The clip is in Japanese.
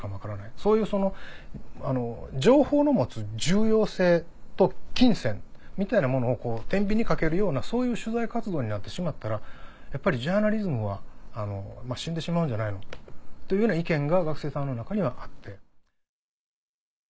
そういうその情報の持つ重要性と金銭みたいなものを天秤にかけるようなそういう取材活動になってしまったらやっぱりジャーナリズムは死んでしまうんじゃないの？というような意見が学生さんの中にはあって。